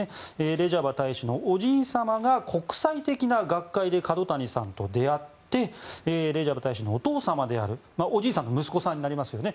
レジャバ大使のおじいさまが国際的な学会で角谷さんと出会ってレジャバ大使のお父様であるおじいさんの息子さんになりますね。